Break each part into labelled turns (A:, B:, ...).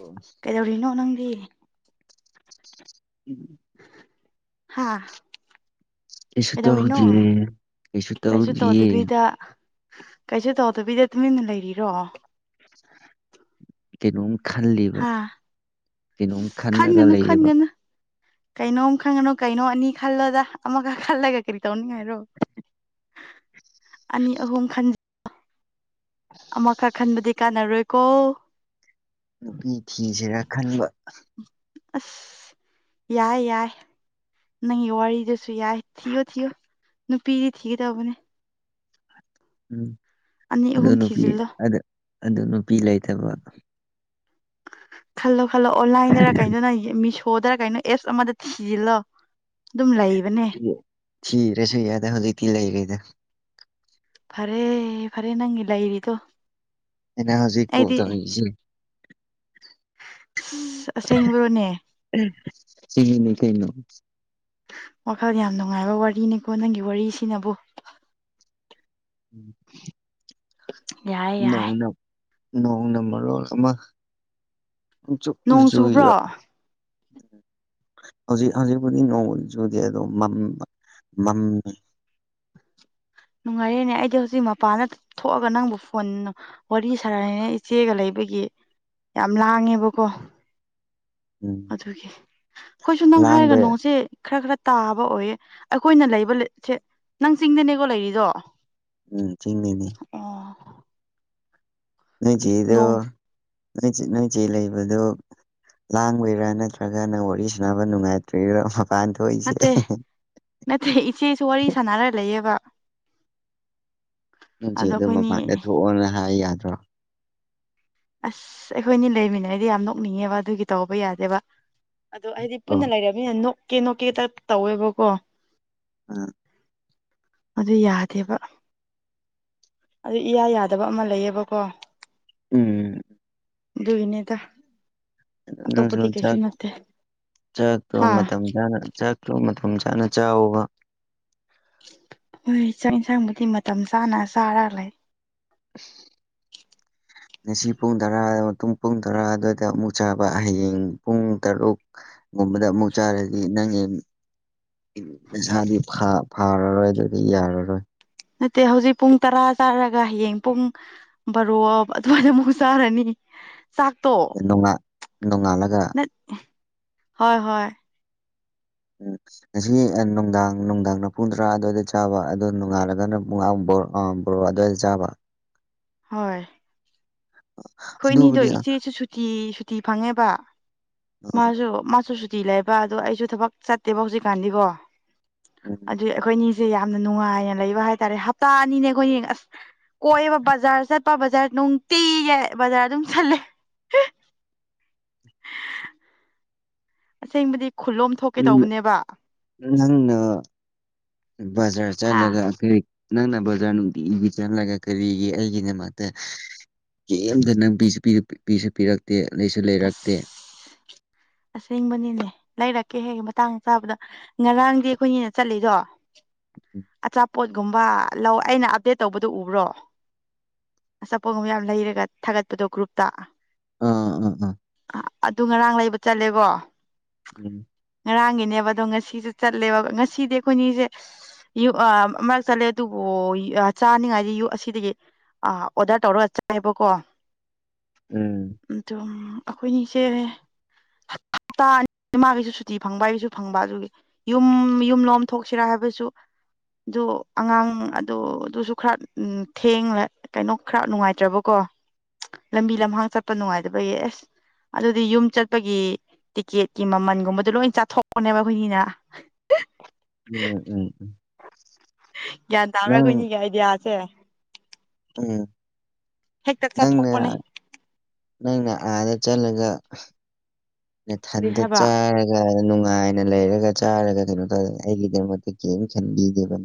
A: ꯑꯣ
B: ꯀꯩꯗꯧꯔꯤꯅꯣ ꯅꯪꯒꯤ
A: ꯎꯝ
B: ꯍꯥ
A: ꯑꯦꯁꯨ
B: ꯀꯩꯗꯧꯔꯤꯅꯣ
A: ꯇꯍꯧꯗꯤꯌꯦ ꯀꯁꯨ
B: ꯀꯩꯁꯨ
A: ꯇꯧꯗꯤꯌꯦ
B: ꯇꯧꯗꯕꯤꯗ ꯀꯩꯁꯨ ꯇꯧꯗꯕꯤꯗ ꯇꯨꯃꯤꯟꯅ ꯂꯩꯔꯤꯔꯣ
A: ꯀꯩꯅꯣꯝ ꯈꯜꯂꯤꯕ
B: ꯑꯁ
A: ꯀꯩꯅꯣꯝ ꯈꯟꯔꯒ
B: ꯈꯟꯒꯅꯨ
A: ꯂꯩꯌꯦꯕ
B: ꯈꯟꯒꯅꯨ ꯀꯩꯅꯣꯝ ꯈꯪꯒꯅꯨ ꯀꯩꯅꯣ ꯑꯅꯤ ꯈꯜꯂ‌ꯣꯗ ꯑꯃꯒ ꯈꯜꯂꯒ ꯀꯔꯤ ꯇꯧꯅꯤꯡꯉꯥꯏꯔꯣ ꯑꯅꯤ ꯑꯍꯨꯝ ꯈꯟ ꯑꯃꯈꯛ ꯈꯟꯕꯗꯤ ꯀꯥꯟꯅꯔꯣꯏꯀꯣ
A: ꯅꯨꯄꯤ ꯊꯤꯁꯤꯔꯥ ꯈꯟꯕ
B: ꯑꯁ ꯌꯥꯏ ꯌꯥꯏ ꯅꯪꯒꯤ ꯋꯥꯔꯤꯗꯨꯁꯨ ꯌꯥꯏ ꯊꯤꯌꯣ ꯊꯤꯌꯣ ꯅꯨꯄꯤꯗꯤ ꯊꯤꯒꯗꯧꯕꯅꯦ
A: ꯎꯝ
B: ꯑꯅꯤ ꯑꯍꯨꯝ
A: ꯑꯗ‌ꯣ ꯅꯨꯄꯤ
B: ꯊꯤꯖꯤꯜꯂꯣ
A: ꯑꯗ ꯑꯗꯨ ꯅꯨꯄꯤ ꯂꯩꯇꯕ
B: ꯈꯜꯂꯣ ꯈꯜꯂꯣ ꯑꯣꯟꯂꯥꯏꯟꯗꯔ ꯀꯩꯅꯣ ꯅꯪ ꯃꯤꯁꯣꯗꯔ ꯀꯩꯅꯣ ꯑꯦꯞꯁ ꯑꯃꯗ ꯊꯤꯖꯤꯜꯂꯣ ꯑꯗꯨꯝ ꯂꯩꯕꯅꯦ
A: ꯊꯤꯗ꯭ꯔꯁꯨ ꯌꯥꯔ‌ꯦ ꯍꯧꯖꯤꯛꯇꯤ ꯂꯩꯔ‌ꯦꯗ
B: ꯐꯔꯦ ꯐꯔꯦ ꯅꯪꯒꯤ ꯂꯩꯔꯤꯗꯣ
A: ꯑꯩꯅ ꯍꯧꯖꯤꯛ ꯀꯣꯜ
B: ꯑꯩꯗꯤ
A: ꯇꯧꯔꯤꯁ‌‌ꯦ
B: ꯑꯁ ꯑꯁꯦꯡꯕꯔꯣꯅꯦ
A: ꯁ‌ꯦꯡꯉꯤꯅꯤ ꯀꯩꯅꯣ
B: ꯋꯥꯈꯜ ꯌꯥꯝ ꯅꯨꯡꯉꯥꯏꯕ ꯋꯥꯔꯤꯅꯤꯀꯣ ꯅꯪꯒꯤ ꯋꯥꯔꯤꯁꯤꯅꯕꯨ
A: ꯎꯝ
B: ꯌꯥꯏ ꯌꯥꯏ
A: ꯅꯣꯡꯅ ꯅꯣꯡꯅ ꯃꯔꯣꯜ ꯑꯃ ꯄꯪꯆꯨꯗ
B: ꯅꯣꯡ
A: ꯆꯨꯏꯕ
B: ꯆꯨꯕ꯭ꯔꯣ
A: ꯍꯧꯖꯤꯛ ꯍꯧꯖꯤꯛꯄꯨꯗꯤ ꯅꯣꯡ ꯆꯨꯗ‌ꯦ ꯑꯗꯣ ꯃꯝꯕ ꯃꯝꯃ‌ꯦ
B: ꯅꯨꯡꯉꯥꯏꯔꯦꯅꯦ ꯑꯩꯗꯤ ꯍꯧꯖꯤꯛ ꯃꯄꯥꯟꯗ ꯊꯣꯛꯑꯒ ꯅꯪꯕꯨ ꯐꯣꯟ ꯋꯥꯔꯤ ꯁꯥꯔꯥꯏꯅ‌ꯦ ꯏꯆꯦꯒ ꯂꯩꯕꯒꯤ ꯌꯥꯝ ꯂꯥꯡꯉꯦꯕꯀꯣ
A: ꯎꯝ
B: ꯑꯗꯨꯒꯤ ꯑꯩꯈꯣꯏꯁꯨ ꯅ‌ꯣꯡ ꯍꯥꯏꯔꯒ
A: ꯂꯥꯡꯕ
B: ꯅꯣꯡꯁꯦ ꯈꯔ ꯈꯔ ꯇꯥꯕ ꯑꯣꯏꯌꯦ ꯑꯩꯈꯣꯏꯅ ꯂꯩꯕ ꯖ‌ꯦ ꯅꯪ ꯆꯤꯡꯗꯅꯦꯀꯣ ꯂꯩꯔꯤꯗꯣ
A: ꯎꯝ ꯆꯤꯡꯅꯤꯅ‌ꯦ ꯅꯣꯏ ꯆꯦꯗꯣ
B: ꯅꯣꯡ
A: ꯅꯣꯏ ꯆꯦ ꯅ‌ꯣꯏ ꯆ‌ꯦ ꯂꯩꯕꯗꯣ ꯂꯥꯡꯕꯩꯔꯥ ꯅꯠꯇ꯭ꯔꯒ ꯅꯪ ꯋꯥꯔꯤ ꯁꯅꯕ ꯅꯨꯡꯉꯥꯏꯇ꯭ꯔꯤꯔ‌ꯣ ꯃꯄꯥꯟ ꯊꯣꯛꯏꯁꯦ
B: ꯅꯠꯇ‌ꯦ ꯏꯆꯦꯁꯨ ꯋꯥꯔꯤ ꯁꯥꯟꯅꯔ ꯂꯩꯌꯦꯕ
A: ꯅꯣꯏ ꯆꯦ
B: ꯑꯗꯣ
A: ꯗ‌ꯣ
B: ꯑꯩꯈꯣꯏꯅꯤ
A: ꯃꯄꯥꯟꯗ ꯊꯣꯛꯑꯣꯅ ꯍꯥꯏ ꯌꯥꯗ꯭ꯔꯣ
B: ꯑꯁ ꯑꯩꯈꯣꯏꯅꯤ ꯂꯩꯃꯤꯟꯅꯔꯗꯤ ꯌꯥꯝ ꯅꯣꯛꯅꯤꯡꯉꯦꯕ ꯑꯗꯨꯒꯤ ꯇꯧꯕ ꯌꯥꯗꯦꯕ ꯑꯗꯣ ꯍꯥꯏꯗꯤ
A: ꯑꯣ
B: ꯄꯨꯟꯅ ꯂꯩꯔ [unintelligible] ꯅꯣꯛꯀꯦ ꯅꯣꯛꯀꯦ ꯇ ꯇꯧꯋꯦꯕꯀꯣ
A: [unintelligible]
B: ꯑꯗꯨ ꯌꯥꯗꯦꯕ ꯑꯗꯨ ꯏꯌꯥ ꯌꯥꯗꯕ ꯑꯃ ꯂꯩꯌꯦꯕꯀꯣ
A: ꯎꯝ
B: ꯑꯗꯨꯒꯦꯅꯦꯗ
A: ꯅꯪꯖꯨ ꯆꯥꯛ ꯆꯥꯛꯇꯣ
B: ꯍꯥ
A: ꯃꯇꯝ ꯆꯥꯅ ꯆꯥꯛꯇ‌ꯣ ꯃꯇꯝ ꯆꯥꯅ ꯆꯥꯎꯋ‌ꯣꯕ
B: ꯍꯣꯏ ꯆꯥꯛ ꯏꯟꯁꯥꯡꯕꯨꯗꯤ ꯃꯇꯝ ꯆꯥꯅ ꯆꯥꯔ ꯂꯩ
A: ꯉꯁꯤ ꯄꯨꯡ ꯇꯔꯥ ꯃꯇꯨꯡ ꯄꯨꯡ ꯇꯔꯥ ꯑꯗꯨꯋꯥꯏꯗ ꯑꯃꯨꯛ ꯆꯥꯕ ꯍꯌꯦꯡ ꯄꯨꯡ ꯇꯔꯨꯛ ꯨꯒꯨꯝꯕꯗ ꯑꯃꯨꯛ ꯆꯥꯔꯗꯤ ꯅꯪ ꯅꯁꯥꯗꯤ ꯐꯥ ꯐꯥꯔꯔꯣꯏ ꯑꯗꯨꯗꯤ ꯌꯥꯔꯔꯣꯏ
B: ꯅꯠꯇꯦ ꯍꯧꯖꯤꯛ ꯄꯨꯡ ꯇꯔꯥ ꯆꯥꯔꯒ ꯍꯌꯦꯡ ꯄꯨꯡ ꯕꯔ‌ꯣ ꯑꯗꯨꯋꯥꯏꯗ ꯑꯃꯨꯛ ꯆꯥꯔꯅꯤ ꯆꯥꯛꯇꯣ
A: ꯅꯣꯡꯉ ꯅꯣꯡꯉꯥꯜꯂꯒ
B: ꯅꯠ ꯍꯣꯏ ꯍꯣꯏ
A: [unintelligible] ꯉꯁꯤ ꯅꯨꯡꯗꯥꯡ ꯅꯨꯡꯗꯥꯡꯅ ꯄꯨꯡ ꯇꯔꯥ ꯑꯗꯨꯋꯥꯏꯗ ꯆꯥꯕ ꯑꯗ‌ꯣ ꯅꯣꯡꯉꯥꯜꯂꯒꯅ ꯄꯨꯡ ꯑꯝ ꯕ ꯕꯔ‌ꯣ ꯑꯗꯨꯋꯥꯏꯗ ꯆꯥꯕ
B: ꯍꯣꯏ ꯑꯩꯈꯣꯏ ꯏꯅꯤꯗꯣ
A: ꯑꯗꯨꯕꯨꯗꯤ ꯑ,
B: ꯏꯆꯦꯁꯨ ꯁꯨꯇꯤ ꯁꯨꯇꯤ ꯐꯪꯉꯦꯕ ꯃꯥꯁꯨ ꯃꯥꯁꯨ ꯨꯁꯨꯇꯤ ꯂꯩꯕ ꯑꯗꯣ ꯑꯩꯁꯨ ꯊꯕꯛ ꯆꯠꯇꯦꯕ ꯍꯧꯖꯤꯛꯀꯥꯟꯗꯤꯕꯣ
A: ꯎꯝ
B: ꯑꯗꯨ ꯑꯩꯈꯣꯏ ꯑꯅꯤꯁꯦ ꯌꯥꯝꯅ ꯅꯨꯡꯉꯥꯏꯅ ꯂꯩꯕ ꯍꯥꯏꯇꯥꯔꯦ ꯍꯞꯇꯥ ꯑꯅꯤꯅꯦ ꯑꯩꯈꯣꯏꯅꯤ ꯑꯁ ꯀꯣꯏꯕ ꯕꯖꯥꯔ ꯆꯠꯄ ꯕꯖꯥꯔ ꯅꯨꯡꯇꯤ ꯌꯥꯏ ꯕꯖꯥꯔ ꯑꯗꯨꯝ ꯆꯠꯂꯦ ꯑꯁꯦꯡꯕꯗꯤ ꯈꯨꯂꯣꯝ
A: ꯅꯪꯅ ꯕꯖꯥꯔ
B: ꯍꯥ
A: ꯆꯠꯂꯒ ꯀꯩ ꯅꯪꯅ ꯕꯖ꯭ꯔꯥ ꯅꯨꯡꯇꯤꯒꯤ ꯆꯥꯠꯂꯒ ꯀꯔꯤꯒꯤ ꯑꯩꯒꯤ ꯗꯃꯛꯇ ꯀꯦꯝꯝꯇ ꯅꯪ ꯄꯤꯁꯨ ꯄꯤꯔꯛꯇꯦ ꯂꯩꯁꯨ ꯂꯩꯔꯛꯇꯦ
B: ꯑꯁ ꯑꯁꯦꯡꯕꯅꯤꯅꯦ ꯂꯩꯔꯛꯀꯦ ꯍꯦꯛ ꯃꯇꯥꯡ ꯆꯥꯕꯗ ꯉꯔꯥꯡꯗꯤ ꯑꯩꯈꯣꯏꯅꯦꯅ ꯆꯠꯂꯤꯗꯣ ꯑꯆꯥ ꯄꯣꯠꯒꯨꯝꯕ ꯂꯧ ꯑꯩꯅ ꯑꯞꯗꯦꯠ ꯇꯧꯕꯗꯨ ꯎꯕ꯭ꯔꯣ ꯑꯆꯥꯄꯣꯠꯒꯨꯝꯕ ꯌꯥꯝ ꯂꯩꯔꯒ ꯊꯥꯒꯠꯄꯗꯣ ꯒ꯭ꯔꯨꯞꯇ
A: ꯎꯝ ꯎꯝ ꯎꯝ
B: ꯑꯗꯨ ꯉꯔꯥꯡ ꯂꯩꯕ ꯆꯠꯂꯦꯕꯣ
A: ꯎꯝ
B: ꯉꯔꯥꯡꯒꯤꯅꯦꯕ ꯑꯗꯣ ꯉꯁꯤꯁꯨ ꯆꯠꯂꯦꯕ ꯉꯁꯤꯗꯤ ꯑꯩꯈꯣꯏꯅꯤꯁꯦ ꯨꯛ ꯃꯔꯛ ꯆꯠꯂꯦ ꯑꯗꯨꯕꯨ ꯆꯥꯅꯤꯡꯉꯥꯏꯗꯤ ꯌꯨꯛ ꯑꯁꯤꯗꯒꯤ ꯑꯥ ꯑꯣꯗꯔ ꯇꯧꯔ ꯆꯥꯢꯕꯀꯣ
A: ꯎꯝ
B: ꯑꯗꯣ ꯑꯩꯈꯣꯏꯅꯤꯁꯦ ꯍꯞꯇꯥ ꯑꯅꯤ ꯃꯥꯒꯤꯁꯨ ꯁꯨꯇꯤ ꯐꯪꯕ ꯑꯩꯒꯤꯁꯨ ꯐꯪꯕ ꯑꯗꯨꯒꯤ ꯌꯨꯝ ꯌꯨꯝ ꯂꯣꯝ ꯊꯣꯛꯁꯤꯔꯥ ꯍꯥꯏꯕꯁꯨ ꯑꯗꯨ ꯑꯉꯥꯡ ꯑꯗꯨ ꯑꯗꯨꯁꯨ ꯈꯔ ꯊꯦꯡꯂꯦ ꯀꯩꯅꯣ ꯈꯔ ꯅꯨꯡꯉꯥꯏꯇ꯭ꯔꯕꯀꯣ ꯂꯝꯕꯤ ꯂꯝꯍꯥꯡ ꯆꯠꯄ ꯅꯨꯡꯉꯥꯏꯇꯕꯒꯤ ꯑꯗꯨꯗꯤ ꯌꯨꯝ ꯆꯠꯄꯒꯤ ꯇꯤꯛꯀꯦꯠꯀꯤ ꯃꯃꯟꯒꯨꯝꯕꯗꯣ ꯂꯣꯏ ꯆꯥꯊꯣꯛꯕꯅꯦꯕ ꯑꯩꯈꯣꯏꯅꯤꯅ
A: ꯎꯝ ꯎꯝ ꯎꯝ
B: ꯒ꯭ꯌꯥꯟ ꯇꯥꯕ꯭ꯔꯥ ꯑꯩꯈꯣꯏꯅꯤꯒꯤ ꯑꯥꯢꯗꯤꯌꯥꯁꯦ
A: ꯎꯝ
B: ꯍꯦꯛꯇ
A: ꯅꯪꯅ
B: ꯆꯥꯊꯣꯛꯄꯅꯦ
A: ꯅꯪꯅ ꯑꯥꯗ ꯆꯠꯂꯒ
B: ꯀꯔꯤ
A: ꯅꯊꯟꯗ
B: ꯍꯥꯏꯕ
A: ꯆꯥꯔ ꯅꯨꯡꯉꯥꯏꯅ ꯂꯩꯔꯒ ꯆꯥꯔꯒ ꯀꯩꯅꯣ ꯇꯧꯔꯦ ꯑꯩꯒꯤꯗꯃꯛꯇ ꯀꯔꯤ ꯈꯟꯕꯤꯗꯦꯕ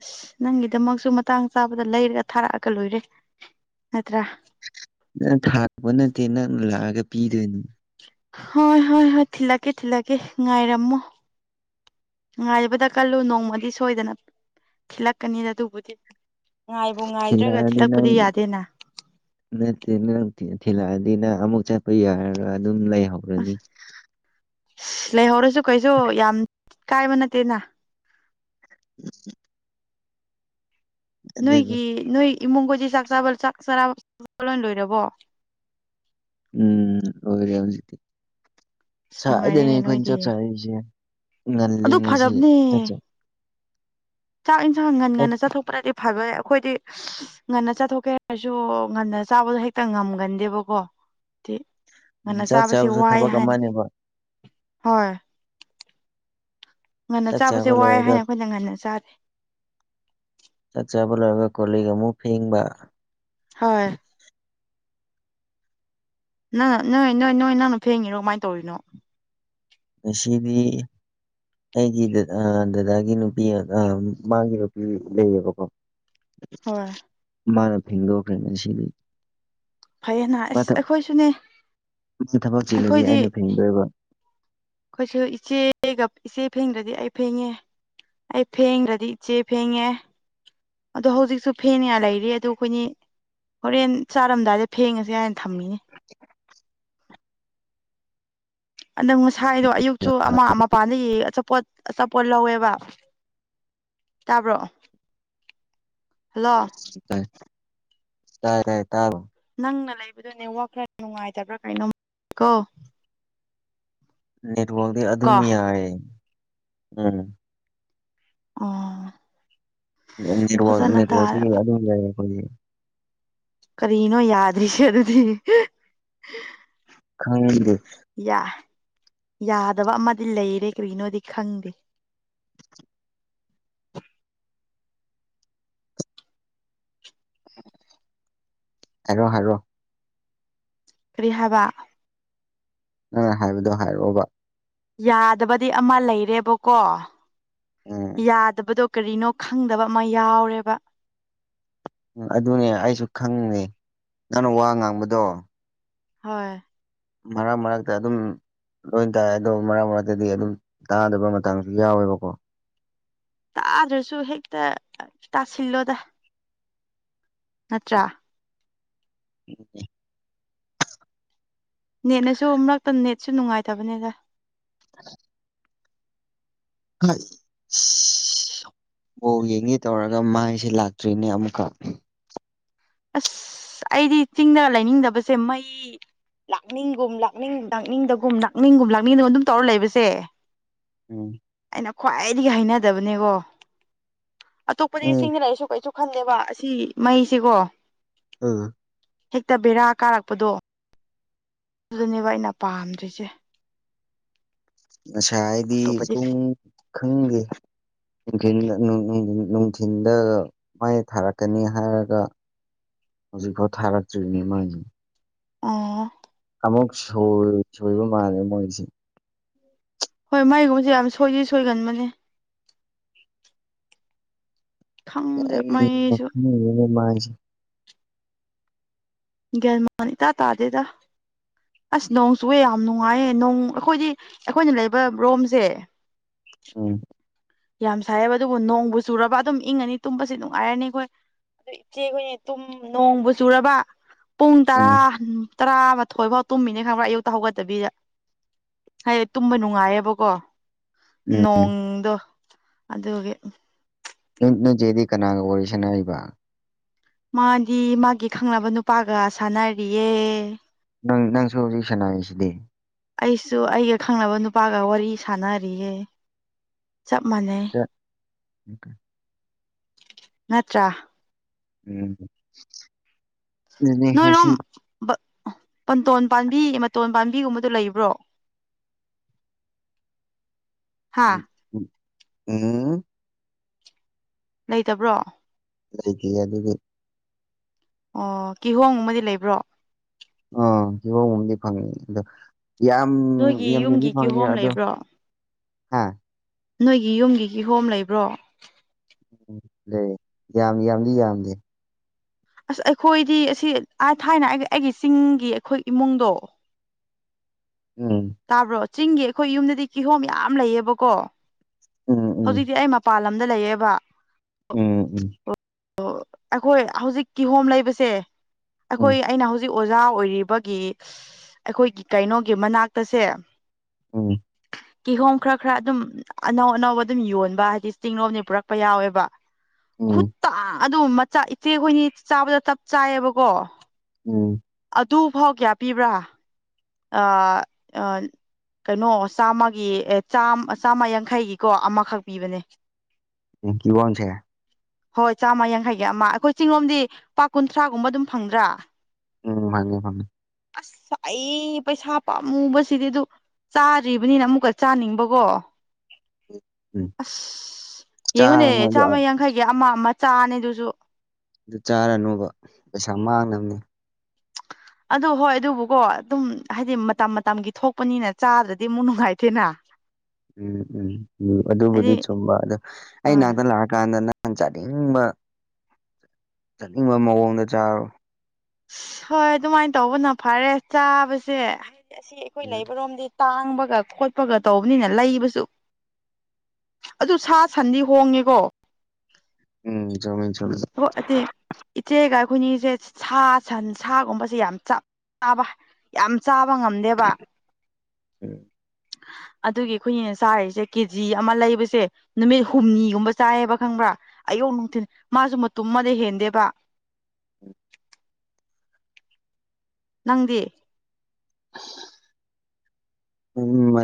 B: ꯑꯁ ꯅꯪꯒꯤꯗꯃꯛꯁꯨ ꯃꯇꯥꯡ ꯆꯥꯕꯗ ꯂꯩꯔꯒ ꯊꯥꯔꯛꯑꯒ ꯂꯣꯏꯔꯦ ꯅꯠꯇ꯭ꯔꯥ
A: ꯅꯪ ꯊꯥꯔꯛꯄ ꯅꯠꯇꯦ ꯅꯪ ꯂꯥꯛꯑꯒ ꯄꯤꯗꯣꯏꯅꯤ
B: ꯍꯣꯏ ꯍꯣꯏ ꯍꯣꯏ ꯊꯤꯂꯛꯀꯦ ꯊꯤꯂꯛꯀꯦ ꯉꯥꯏꯔꯝꯃꯣ ꯅꯨꯡꯉꯥꯏꯕꯗ ꯀꯜꯂꯨ ꯅꯣꯡꯃꯗꯤ ꯁꯣꯏꯗꯅ ꯊꯤꯜꯂꯛꯀꯅꯤꯗ ꯑꯗꯨꯕꯨꯗꯤ ꯉꯥꯏꯕꯨ ꯉꯥꯏꯗ꯭ꯔꯒ
A: ꯊꯤꯜꯂꯛꯑꯗꯤ
B: ꯊꯤꯜꯂꯛꯄꯗꯤ
A: ꯅꯪ
B: ꯌꯥꯗꯦꯅ
A: ꯅꯠꯇꯦ ꯅꯠꯇꯦ ꯊꯤꯜꯂꯛꯑꯗꯤ ꯅꯪ ꯑꯃꯨꯛ ꯆꯠꯄ ꯌꯥꯔꯒ ꯑꯗꯨꯝ ꯂꯩꯍꯧ
B: ꯑꯁ ꯑꯁ ꯂꯩꯍꯧꯔꯁꯨ ꯀꯩꯁꯨ ꯌꯥꯝ ꯀꯥꯏꯕ ꯅꯠꯇꯦꯅ
A: ꯎ [inaudible] ꯑꯗꯨꯅꯤ
B: ꯅꯣꯏꯒꯤ ꯅꯣꯏ ꯏꯃꯨꯡꯒꯗꯤ ꯆꯥꯛ ꯆꯥꯛ ꯆꯥꯔꯥ ꯂꯣꯏ ꯂꯣꯏꯔꯕꯣ
A: ꯎꯝ ꯂꯣꯏꯔꯦ ꯍꯧꯖꯤꯛꯇꯤ
B: ꯑꯁ
A: ꯉꯁꯥꯢꯗꯅꯦ
B: ꯅꯨꯡꯉꯥꯏꯔꯦꯅꯦ
A: ꯑꯩꯈꯣꯏꯅ
B: ꯅꯣꯏꯗꯤ
A: ꯆꯥꯛ ꯆꯥꯔꯤꯁꯦ
B: ꯑꯗꯨ ꯐꯔꯕꯅꯦ ꯆꯥꯛ ꯏꯟꯁꯥꯡ ꯉꯟ
A: ꯆꯥꯛ
B: ꯉꯟꯅ ꯆꯠꯊꯣꯛꯄꯅꯗꯤ ꯐꯕꯅꯦ ꯑꯩꯈꯣꯏꯗꯤ ꯉꯟꯅ ꯆꯥꯊꯣꯛꯀꯦ ꯍꯥꯏꯔꯁꯨ ꯉꯟꯅ ꯆꯥꯕꯗꯣ ꯍꯦꯛꯇ ꯉꯝꯒꯟꯗꯦꯕꯀꯣ ꯉꯟꯅ
A: ꯆꯥꯛ
B: ꯆꯥꯕꯁꯦ
A: ꯆꯥꯕꯁꯨ
B: ꯋꯥꯏ
A: ꯊꯕꯛ
B: ꯍꯥꯏ
A: ꯑꯃꯅꯦꯕ
B: ꯍꯣꯏ ꯉꯟꯅ
A: ꯆꯥꯛ
B: ꯆꯥꯕꯁꯦ
A: ꯆꯥꯕ
B: ꯋꯥꯏ
A: ꯂꯣꯏꯔꯒ
B: ꯍꯥꯏꯅ ꯑꯩꯈꯣꯏꯗꯤ ꯉꯟꯅ ꯆꯥꯗꯦ
A: ꯆꯥꯛ ꯆꯥꯕ ꯂꯣꯏꯔꯒ ꯀꯣꯂꯤꯛ ꯑꯃꯨꯛ ꯐꯦꯡꯕ
B: ꯍꯣꯏ ꯅꯪ ꯅꯣꯏ ꯅꯣꯏ ꯅꯣꯏ ꯅꯪꯅ ꯐꯦꯡꯉꯤꯔꯣ ꯀꯃꯥꯏꯅ ꯇꯧꯔꯤꯅꯣ
A: ꯃꯁꯤꯁꯤꯕꯤ ꯑꯩꯒꯤ ꯗꯗꯥꯒꯤ ꯅꯨꯄꯤ ꯃꯥꯒꯤ ꯅꯨꯄꯤ ꯂꯩꯌꯦꯕꯀꯣ
B: ꯍꯣꯏ
A: ꯃꯥꯅ ꯐꯒ ꯀ꯭ꯔꯦꯁꯤꯔꯤ
B: ꯐꯩꯌꯦꯅ ꯑꯁ ꯑꯩꯈꯣꯏꯁꯨꯅꯦ
A: ꯊꯕꯛ ꯆꯤꯂꯗꯤ
B: ꯑꯩꯈꯣꯏꯗꯤ
A: ꯑꯩꯅ ꯐꯦꯡꯗꯣꯏꯕ
B: ꯑꯩꯈꯣꯏꯁꯨ ꯏꯆꯦꯒ ꯏꯆꯦ ꯐꯦꯡꯗ꯭ꯔꯗꯤ ꯑꯩ ꯐꯦꯡꯉꯦ ꯑꯩ ꯐꯦꯡꯈ꯭ꯔꯗꯤ ꯏꯆꯦ ꯐꯦꯡꯉꯦ ꯑꯗꯣ ꯍꯧꯖꯤꯛꯁꯨ ꯐꯦꯡꯒ ꯂꯩꯔꯤ ꯑꯗꯨ ꯑꯩꯈꯣꯏꯅꯤ ꯍꯣꯔꯦꯟ ꯆꯥꯔꯝꯗꯥꯏꯗ ꯐꯦꯡꯉꯁꯦ ꯀꯥꯏꯅ ꯊꯝꯃꯤꯅꯤ
A: [inaudible]
B: ꯅꯟꯗꯪ ꯉꯁꯥꯏꯗꯣ ꯑꯌꯨꯛꯁꯨ ꯑꯃ ꯃꯄꯥꯟꯗꯒꯤ ꯑꯆꯥꯄꯣꯠ ꯑꯆꯥꯄꯣꯠ ꯂꯧꯋꯦꯕ ꯇꯥꯕ꯭ꯔꯣ ꯍꯜꯂꯣ
A: ꯇꯥꯏ ꯇꯥꯏ ꯇꯥꯕ
B: ꯅꯪꯅ ꯂꯩꯕꯗꯨꯅꯦ ꯋꯥ ꯈꯔ ꯅꯨꯡꯉꯥꯏꯇꯕ꯭ꯔꯥ ꯀꯩꯅꯣ ꯀꯣ
A: ꯅꯦꯠꯋꯥꯛꯗꯤ ꯑꯗꯨꯝ
B: ꯀꯣ
A: ꯌꯥꯏ ꯎꯝ
B: ꯑꯣ
A: ꯅꯤ
B: ꯐꯖꯅ ꯇꯥꯔꯕ
A: ꯑꯗꯨꯝ ꯂꯩꯏꯌꯦ ꯑꯩꯈꯣꯏꯒꯤ
B: ꯀꯔꯤꯅꯣ ꯌꯥꯗ꯭ꯔꯤꯁꯦ ꯑꯗꯨꯗꯤ
A: ꯈꯪꯗꯦ
B: ꯌꯥ ꯌꯥꯗꯕ ꯑꯃꯗꯤ ꯂꯩꯔꯦ ꯀꯔꯤꯅꯣꯗꯤ ꯈꯪꯗꯦ
A: ꯑꯦꯔꯣ ꯍꯥꯏꯔꯣ
B: ꯔꯤꯍꯕ
A: ꯪ ꯍꯥꯏꯕꯗꯣ ꯍꯥꯏꯔꯛꯑꯣꯕ
B: ꯌꯥꯗꯕꯗꯤ ꯑꯃ ꯂꯩꯔꯦꯕꯀꯣ
A: ꯎꯝ
B: ꯌꯥꯗꯕꯗꯣ ꯀꯔꯤꯅꯣ ꯈꯪꯗꯕ ꯑꯃ ꯌꯥꯎꯔꯦꯕ
A: ꯎꯝ ꯑꯗꯨꯅꯦ ꯑꯩꯁꯨ ꯈꯪꯅꯤ ꯅꯪꯅ ꯋꯥ ꯉꯥꯡꯕꯗꯣ
B: ꯍꯣꯏ
A: ꯃꯔꯛ ꯃꯔꯛꯇ ꯑꯗꯨꯝ ꯂꯣꯏ ꯇꯥꯏ ꯑꯗꯣ ꯃꯔꯛ ꯃꯔꯛꯇꯗꯤ ꯑꯗꯨꯝ ꯇꯥꯗꯕ ꯃꯇꯥꯡꯁꯨ ꯌꯥꯎꯋꯦꯕꯀꯣ
B: ꯇꯥꯗ꯭ꯔꯁꯨ ꯍꯦꯛꯇ ꯇꯥꯁꯤꯜꯂꯣꯗ ꯅꯠꯇ꯭ꯔ
A: ꯎꯝ
B: ꯅꯦꯠꯅꯁꯨ ꯑꯃꯛꯇ ꯅꯦꯠꯁꯨ ꯅꯨꯡꯉꯥꯏꯇꯕꯅꯤꯗ
A: ꯑ ꯑ ꯕꯣꯜ ꯌꯦꯡꯒꯦ ꯇꯧꯔꯒ ꯃꯥꯏꯁꯦ ꯂꯥꯛꯇ꯭ꯔꯤꯅꯦ ꯑꯃꯨꯛꯀ
B: ꯑꯁ ꯑꯩꯗꯤ ꯆꯤꯡꯗ ꯂꯩꯅꯤꯡꯗꯕꯁꯦ ꯃꯩ ꯂꯥꯛꯅꯤꯡꯒꯨꯝ ꯂꯥꯛꯅꯤꯡ ꯂꯥꯛꯅꯤꯡꯗꯒꯨꯝ ꯂꯥꯛꯅꯤꯡꯒꯨꯝ ꯂꯥꯛꯅꯤꯡꯗꯒꯨꯝ ꯑꯗꯨꯝ ꯇꯧꯔ ꯂꯩꯕꯁꯦ
A: ꯑ
B: ꯑꯩꯅ ꯈ꯭ꯋꯥꯏꯗꯒꯤ ꯍꯩꯅꯗꯕꯅꯦꯀꯣ ꯑꯇꯣꯞꯄꯗꯤ
A: ꯎꯝ
B: ꯏꯁꯤꯡꯗ ꯂꯔꯤꯁꯨ ꯀꯩꯁꯨ ꯋꯥꯈꯜꯅꯦꯦꯕ ꯑꯁꯤ ꯃꯩꯁꯤꯀꯣ
A: ꯑꯥ
B: ꯍꯦꯛꯇ ꯕꯦꯔꯥ ꯀꯥꯔꯛꯄꯗꯣ ꯑꯗꯨꯗꯅꯦꯕ ꯑꯩꯅ ꯄꯥꯝꯗ꯭ꯔꯤꯁꯦ
A: ꯑꯁꯥ ꯍꯥꯏꯗꯤ
B: ꯑꯇꯣꯞꯄꯗꯤ
A: ꯄꯨꯡ ꯈꯪꯗꯦ ꯅꯨꯡꯊꯜ ꯅꯨꯡꯊꯤꯤꯟꯗ ꯃꯥꯏ ꯊꯥꯔꯛꯀꯅꯤ ꯍꯥꯏꯔꯒ ꯍꯧꯖꯤꯛꯐꯥꯎ ꯊꯥꯔꯛꯇ꯭ꯔꯤꯅꯤ ꯃꯣꯏꯅꯤ
B: ꯑꯥ
A: ꯑꯃꯨꯛ ꯁꯣꯏꯕ ꯃꯥꯜꯂꯦ ꯃꯣꯏꯁꯦ
B: ꯍꯣꯏ ꯃꯥꯏꯒꯨꯝꯕꯁꯦ ꯌꯥꯝ ꯁꯣꯏꯗꯤ ꯁꯣꯏꯒꯟꯕꯅꯦ ꯈꯪꯗꯦ
A: ꯑꯩ
B: ꯃꯩꯁꯨ
A: ꯃꯈꯜꯅꯦ ꯃꯥꯡꯁꯤꯦ
B: ꯒꯔꯃꯅꯤ ꯇ ꯇꯥꯖꯦꯗ ꯑꯁ ꯅꯣꯡ ꯆꯨꯑꯦ ꯌꯥꯝ ꯅꯨꯡꯉꯥꯏꯌꯦ ꯅꯣꯡ ꯑꯩꯈꯣꯏꯗꯤ ꯑꯩꯈꯣꯏꯅ ꯂꯩꯕ ꯔꯣꯝꯁꯦ
A: ꯎꯝ
B: ꯌꯥꯝ ꯁꯥꯏꯑꯕ ꯑꯗꯨꯕꯨ ꯅꯣꯡꯕꯨ ꯆꯨꯔꯕ ꯑꯗꯨꯝ ꯏꯪꯉꯅꯤ ꯇꯨꯝꯕꯁꯤ ꯅꯨꯡꯉꯥꯏꯔꯅꯤ ꯑꯩꯈꯣꯏ ꯑꯗꯨ ꯏꯆꯦ ꯑꯩꯈꯣꯏꯅꯦ ꯇꯨꯝ ꯅꯣꯡꯕꯨ ꯆꯨꯔꯕ ꯄꯨꯡ ꯇꯔꯥ
A: ꯎꯝ
B: ꯇꯔꯥꯃꯊꯣꯏꯐꯥꯎ ꯇꯨꯝꯃꯤꯅꯦ ꯈꯪꯕ꯭ꯔꯥ ꯑꯌꯨꯛꯇ ꯍꯧꯒꯠꯇꯕꯤꯗ ꯍꯥꯏꯗꯤ ꯇꯨꯝꯕ ꯅꯨꯡꯉꯥꯏꯌꯦꯕꯀꯣ
A: ꯎꯝ
B: ꯅꯣꯡꯗꯣ ꯑꯗꯨꯒꯤ
A: ꯅꯆꯦꯗꯤ ꯀꯅꯥꯒ ꯋꯥꯔꯤ ꯁꯥꯟꯅꯏꯕ
B: ꯃꯥꯗꯤ ꯃꯥꯒꯤ ꯈꯪꯅꯕ ꯅꯨꯄꯥꯒ ꯁꯥꯟꯅꯔꯤꯌꯦ
A: ꯅꯪ ꯅꯪꯁꯨ ꯍꯧꯖꯤꯛ ꯁꯅꯥꯁꯤꯗꯤ
B: ꯑꯩꯁꯨ ꯑꯩꯒ ꯈꯪꯅꯕ ꯅꯨꯄꯥꯒ ꯋꯥꯔꯤ ꯁꯥꯟꯅꯔꯤꯌꯦ ꯆꯞ ꯃꯥꯟꯅꯩ
A: ꯆ ꯎꯝ
B: ꯅꯠꯇ꯭ꯔ
A: ꯎꯝ
B: ꯅꯣꯏꯔꯣꯝ
A: ꯎ
B: ꯄꯟꯇꯣꯟ ꯄꯥꯝꯕꯤ ꯃꯇꯣꯟ ꯄꯥꯝꯕꯤꯒꯨꯝꯕꯗꯣ ꯂꯩꯕ꯭ꯔꯣ [inaudible] [inaudible] [inaudible] ꯍꯥ
A: ꯎꯝ ꯑ
B: ꯂꯩꯇꯕ꯭ꯔꯣ
A: ꯂꯩꯗꯤ ꯑꯗꯨꯗꯤ
B: ꯑꯣ ꯀꯤꯍꯣ ꯑꯃꯗꯤꯗꯤ ꯂꯩꯕ꯭ꯔꯣ
A: ꯑ ꯏꯕ ꯎꯗꯤ ꯐꯪꯉꯤꯗ ꯌꯥꯝ
B: ꯅꯣꯏꯒꯤ
A: ꯌꯥꯝ ꯌꯗꯤ
B: ꯌꯨꯝꯒꯤ
A: ꯐꯪꯉꯦ
B: ꯀꯤꯍꯣꯝ
A: ꯑꯗꯣ
B: ꯂꯩꯕ꯭ꯔꯣ
A: ꯍꯥ
B: ꯅꯣꯏꯒꯤ ꯌꯨꯝꯒꯤꯒꯤ ꯍꯣꯝ ꯂꯩꯕ꯭ꯔꯣ
A: ꯎ ꯂꯩ ꯌꯥꯝ ꯌꯥꯝꯗꯤ ꯌꯥꯝꯗꯤꯦ
B: ꯑꯁ ꯑꯩꯈꯣꯏꯗꯤ ꯑꯁꯤ ꯑ ꯊꯥꯏꯅ ꯑꯩ ꯑꯩꯒꯤ ꯆꯤꯡꯒꯤ ꯑꯩꯈꯣꯏ ꯏꯃꯨꯡꯗꯣ
A: ꯎꯝ
B: ꯇꯥꯕ꯭ꯔꯣ ꯆꯤꯡꯒꯤ ꯑꯩꯈꯣꯏ ꯌꯨꯝꯗꯗꯤ ꯀꯤꯍꯣꯝ ꯌꯥꯝ ꯂꯩꯌꯦꯕꯀꯣ
A: ꯎꯝ ꯎꯝ
B: ꯍꯧꯖꯤꯛꯇꯤ ꯑꯩ ꯃ ꯄꯥꯟ ꯂꯝꯗ ꯂꯩꯌꯦꯦꯕ
A: ꯎꯝ ꯎꯝ
B: ꯑꯣ ꯑꯩꯈꯣꯏ ꯍꯧꯖꯤꯛ ꯀꯤꯍꯣꯝ ꯂꯩꯕꯁꯦ
A: ꯎꯝ
B: ꯑꯩꯈꯣꯏ ꯑꯩꯅ ꯍꯧꯖꯤꯛ ꯑꯣꯖꯥ ꯑꯣꯏꯔꯤꯕꯒꯤ ꯑꯩꯈꯣꯏꯒꯤ ꯀꯩꯅꯣꯒꯤ ꯃꯅꯥꯛꯇꯁꯦ
A: ꯎꯝ
B: ꯀꯤꯍꯣꯝ ꯈꯔ ꯈꯔ ꯑꯗꯨꯝ ꯑꯅꯧ ꯑꯅꯧꯕ ꯑꯗꯨꯝ ꯌꯣꯟꯕ ꯍꯥꯏꯗꯤ ꯆꯤꯂꯣꯝꯅꯤ ꯄꯨꯔꯛꯄ ꯌꯥꯎꯋꯦꯕ
A: ꯎꯝ
B: ꯈꯨꯠꯇ ꯑꯗꯨꯝ ꯃꯆꯥ ꯏꯆꯦ ꯍꯣꯏꯅꯤ ꯆꯥꯕꯗ ꯆꯞ ꯆꯥꯏꯌꯦꯕꯀꯣ
A: ꯑꯣꯝ
B: ꯑꯗꯨꯐꯥꯎ ꯀꯌꯥ ꯄꯤꯕ꯭ꯔꯥ ꯑ ꯑ ꯀꯩꯅꯣ ꯆꯥꯝꯃꯒꯤ ꯑꯦ ꯆꯥ ꯆꯥꯝꯃ ꯌꯥꯡꯈꯩꯒꯤꯀꯣ ꯑꯃꯈꯛ ꯄꯤꯕꯅꯦ
A: ꯀ ꯀꯣꯁꯦ
B: ꯍꯣꯏ ꯆꯥꯝꯃ ꯌꯥꯡꯈꯩꯒꯤ ꯑꯃ ꯑꯩꯈꯣꯏ ꯆꯤꯡꯂꯣꯝꯗꯤ ꯄꯥ ꯀꯨꯟꯊ꯭ꯔꯥꯒꯨꯝꯕ ꯑꯗꯨꯝ ꯐꯪꯗ꯭ꯔꯥ
A: ꯎꯝ ꯍ ꯍ
B: ꯑ ꯑꯩ ꯑꯩ ꯄꯩꯁꯥ ꯄꯥꯝꯃꯨꯕꯁꯤꯗꯤ ꯑꯗꯨ ꯆꯥꯗ꯭ꯔꯤꯕꯅꯤꯅ ꯑꯃꯨꯛꯀ ꯆꯥꯅꯤꯡꯕꯀꯣ
A: ꯎꯝ
B: ꯑꯁ ꯌꯦꯡꯉꯨꯅꯦ
A: ꯆꯥꯔꯅꯨ ꯑꯗꯨ
B: ꯆꯥꯝꯃ ꯌꯥꯡꯈꯩꯒꯤ ꯑꯃ ꯑꯃ ꯆꯥꯅꯦ ꯑꯗꯨꯁꯨ
A: ꯑꯗꯨ ꯆꯥꯔꯅꯨꯕ ꯄꯩꯁꯥ ꯃꯥꯡꯅꯕꯅꯦ
B: ꯑꯗꯨ ꯍꯣꯏ ꯑꯗꯨꯕꯨꯀꯣ ꯑꯗꯨꯝ ꯍꯥꯏꯗꯤ ꯃꯇꯝ ꯃꯇꯝꯒꯤ ꯊꯣꯛꯄꯅꯤꯅ ꯆꯥꯕꯗꯗꯤ ꯑꯃꯨꯛ ꯅꯨꯡꯉꯥꯏꯇꯦꯅ
A: ꯎꯝ ꯎꯝ ꯎꯝ ꯑꯗꯨꯕꯨꯗꯤ
B: ꯍꯥꯏꯗꯤ
A: ꯆꯨꯝꯕ ꯑꯗꯨ ꯑꯩ
B: ꯍꯣꯏ
A: ꯉꯅꯥꯛꯇ ꯂꯥꯛꯑꯀꯥꯟꯗꯅ ꯆꯟꯖꯅꯤꯡꯕ ꯆꯠꯅꯤꯡꯕ ꯃꯑꯣꯡꯗ ꯆꯥꯔꯣ
B: ꯑꯁ ꯍꯣꯏ ꯑꯗꯨꯃꯥꯏꯅ ꯇꯧꯕꯅ ꯐꯔꯦ ꯆꯥꯕꯁꯦ ꯍꯥꯏꯗꯤ ꯑꯁꯤ ꯑꯩꯈꯣꯏ
A: ꯎꯝ
B: ꯂꯩꯕꯔꯣꯝꯗꯤ ꯇꯥꯡꯕꯒ ꯈꯣꯠꯄꯒ ꯇꯧꯕꯅꯤꯅ ꯂꯩꯕꯁꯨ ꯑꯗꯨ ꯁꯥ ꯁꯟꯗꯤ ꯍꯣꯡꯉꯦꯀꯣ
A: ꯎꯝ ꯃꯤ ꯆ
B: ꯍ ꯍꯥꯏꯗꯤ ꯏꯆꯦꯒ ꯑꯩꯈꯣꯏꯅꯤꯁꯦ ꯁꯥ ꯁꯟ ꯁꯥꯒꯨꯝꯕꯁꯦ ꯌꯥꯝ ꯆꯞ ꯆꯥꯕ ꯌꯥꯝ ꯆꯥꯕ ꯉꯝꯗꯦꯕ ꯑꯗꯨꯒꯤ ꯑꯩꯈꯣꯏꯒꯤꯅ ꯆꯥꯔꯤꯁꯦ ꯀꯦꯖꯤ ꯑꯃ ꯂꯩꯕꯁꯦ ꯅꯨꯃꯤꯠ ꯍꯨꯝꯅꯤꯒꯨꯝꯕ ꯆꯥꯏꯌꯦꯕ ꯈꯪꯕ꯭ꯔꯥ ꯑꯌꯨꯛ ꯅꯨꯡꯊꯤꯤꯟ ꯃꯥꯁꯨ ꯃꯇꯨꯝꯃꯗ ꯍꯦꯟꯗꯦꯕ ꯅꯪꯗꯤ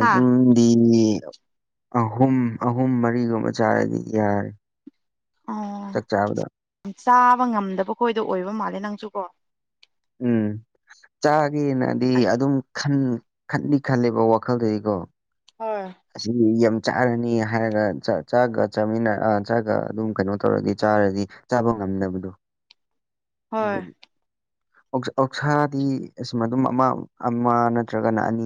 B: ꯍꯥ
A: ꯎ ꯑꯍꯨꯝ ꯑꯍꯨꯝ ꯃꯔꯤꯒꯨꯝꯕ ꯆꯥꯔꯗꯤ ꯌꯥꯔꯦ
B: ꯑꯣ
A: ꯆꯥꯛ ꯆꯥꯕꯗ
B: ꯆꯥꯕ ꯉꯝꯗꯕꯈꯣꯏꯗ ꯑꯣꯏꯕ ꯃꯥꯜꯂꯦ ꯅꯪꯁꯨ ꯀꯣ
A: ꯎꯝ ꯆꯥꯒꯦꯅꯗꯤ
B: ꯑꯩ
A: ꯑꯗꯨꯝ ꯈꯟ ꯈꯜꯂꯤ ꯈꯜꯂꯤꯕ ꯋꯥꯈꯜꯗꯗꯤꯀꯣ
B: ꯍꯣꯏ
A: ꯑꯁꯤ ꯌꯥꯝ ꯆꯥꯔꯅꯤ ꯍꯥꯏꯔꯒ ꯆꯥꯛꯒ ꯆꯥꯃꯤꯟꯅꯔ ꯆꯥꯒ ꯑꯗꯨꯝ ꯀꯩꯅꯣ ꯇꯧꯔꯗꯤ ꯆꯥꯔꯗꯤ ꯆꯥꯕ ꯉꯝꯗꯦꯕꯗꯨ
B: ꯍꯣꯏ
A: ꯑꯗꯨꯗ ꯑꯣꯛꯁꯥꯗꯤ ꯑꯁꯤꯁꯃ ꯑꯗꯨꯝ ꯑꯃ ꯑꯃ ꯅꯠꯇ꯭ꯔꯒꯅ ꯑꯅꯤ